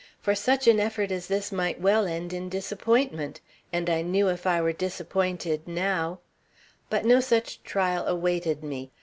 For such an effort as this might well end in disappointment, and I knew if I were disappointed now But no such trial awaited me.